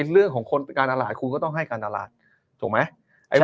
เรื่องของคนการตลาดคุณก็ต้องให้การตลาดถูกไหม